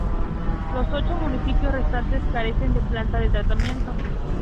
Los ocho municipios restantes carecen de planta de tratamiento.